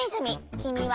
きみは？」。